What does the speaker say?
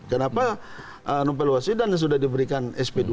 kenapa nobel was sedan sudah diberikan sp dua